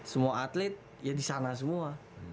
semua atlet ya di sana semua